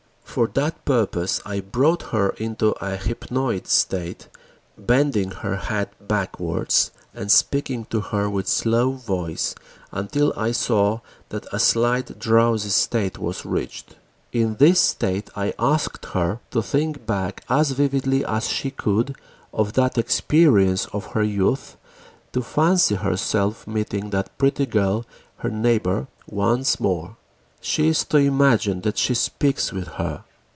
For that purpose I brought her into a hypnoid state, bending her head backwards and speaking to her with slow voice until I saw that a slight drowsy state was reached. In this state I asked her to think back as vividly as she could of that experience of her youth, to fancy herself meeting that pretty girl, her neighbor, once more. She is to imagine that she speaks with her.